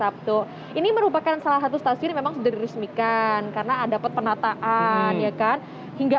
betul ini merupakan salah satu stasiun memang sederhana karena dapat penataan ya kan hingga